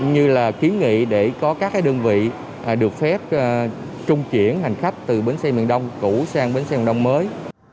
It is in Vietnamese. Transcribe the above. như là kiến nghị để có các đơn vị được phép trung chuyển hành khách từ bến xe miền đông cũ sang bến xe miền đông mới